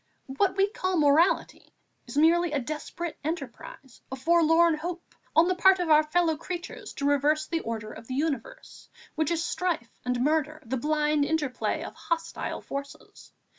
What we call morality is merely a desperate enterprise, a forlorn hope, on the part of our fellow creatures to reverse the order of the universe, which is strife and murder, the blind interplay of hostile forces.